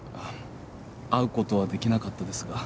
会う事はできなかったですが。